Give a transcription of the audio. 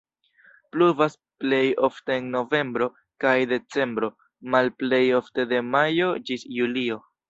Pluvas plej ofte en novembro kaj decembro, malplej ofte de majo ĝis julio.